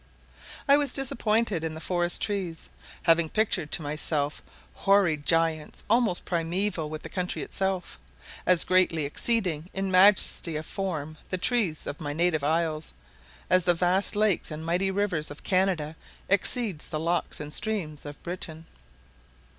I was disappointed in the forest trees, having pictured to myself hoary giants almost primeval with the country itself, as greatly exceeding in majesty of form the trees of my native isles, as the vast lakes and mighty rivers of Canada exceed the locks and streams of Britain.